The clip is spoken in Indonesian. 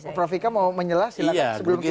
pak pravika mau menjelaskan sebelum kita